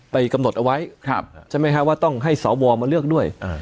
กำหนดเอาไว้ใช่ไหมครับว่าต้องให้สวมาเลือกด้วย